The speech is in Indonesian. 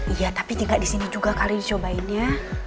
iya tapi tinggal di sini juga kali dicobainnya